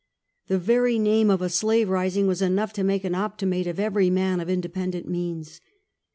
The very name of a slave rising was enough to make an Optimate of every man of independent means.